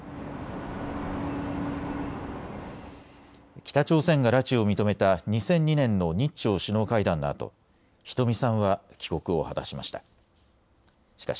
北朝鮮が拉致を認めた２００２年の日朝首脳会談のあとひとみさんは帰国を果たしました。